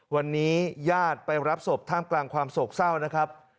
วันนี้ญาติไปรับศพท่ามกลางความโศกเศร้านะครับ